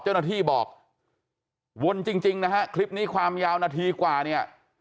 เจ้าหน้าที่บอกวนจริงนะฮะคลิปนี้ความยาวนาทีกว่าเนี่ย